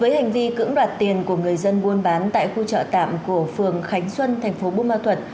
với hành vi cưỡng đoạt tiền của người dân buôn bán tại khu chợ tạm của phường khánh xuân thành phố bù ma thuật